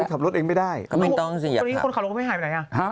คนขับรถไม่หายไปไหน